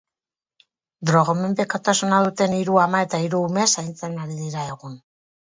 Drogomenpekotasuna duten hiru ama eta hiru ume zaintzen ari dira egun.